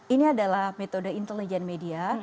ini adalah metode intelijen media